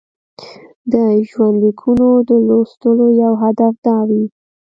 د ژوندلیکونو د لوستلو یو هدف دا وي.